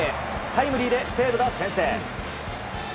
タイムリーで西武が先制。